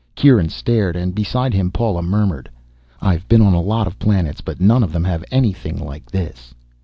Kieran stared, and beside him Paula murmured, "I've been on a lot of planets, but none of them have anything like this."